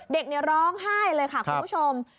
เด็กร้องไห้เลยค่ะคุณผู้ชม